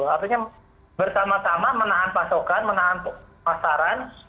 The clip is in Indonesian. artinya bersama sama menahan pasokan menahan pasaran